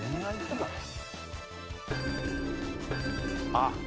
あっ！